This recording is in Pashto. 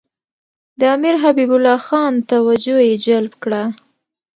د امیر حبیب الله خان توجه یې جلب کړه.